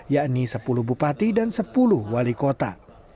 yakni sepuluh bupati dan sepuluh wali kota